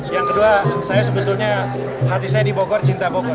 yang kedua saya sebetulnya hati saya dibokor cinta bokor